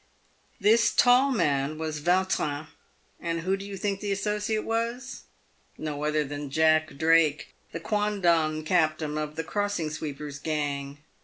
This tall man was Yautrin. Who do you think the associate was ? No other than Jack Drake, the quondam captain of the Crossing Sweepers' gang.